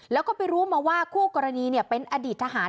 แล้วก็ไปรู้มาว่าคู่กรณีเป็นอดีตทหาร